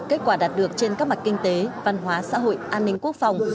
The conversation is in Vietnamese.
kết quả đạt được trên các mặt kinh tế văn hóa xã hội an ninh quốc phòng